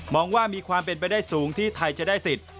ว่ามีความเป็นไปได้สูงที่ไทยจะได้สิทธิ์